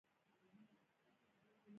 خو دا خاوره خو خپل اولیاء هم لري